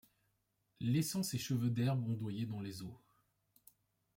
Laissant ses cheveux d’herbe ondoyer dans les eaux.